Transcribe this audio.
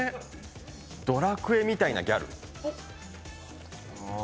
「ドラクエ」みたいなギャル。